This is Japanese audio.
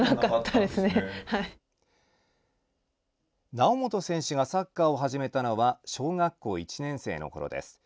猶本選手がサッカーを始めたのは小学校１年生のころです。